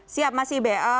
siap mas ibe